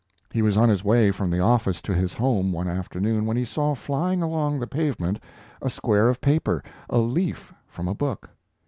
He was on his way from the office to his home one afternoon when he saw flying along the pavement a square of paper, a leaf from a book.